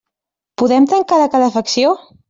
Podem tancar la calefacció?